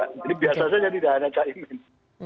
jadi biasa saja tidak hanya cahimin